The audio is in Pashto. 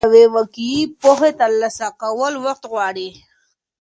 د یوې واقعي پوهې ترلاسه کول وخت غواړي.